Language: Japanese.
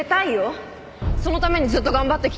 そのためにずっと頑張ってきたんだから。